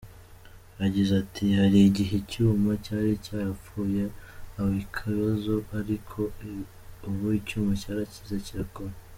Yagize ati “Hari igihe icyuma cyari cyarapfuye haba ikibazo, ariko ubu icyuma cyarakize kirakora.